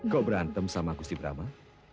kau berantem sama aku si brahma